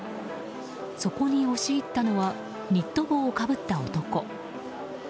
そこに押し入ったのはニット帽をかぶった男。